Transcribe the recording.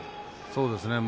そうですね